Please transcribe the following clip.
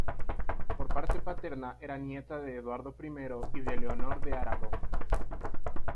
Por parte paterna era nieta de Eduardo I y de Leonor de Aragón.